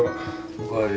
おかえり。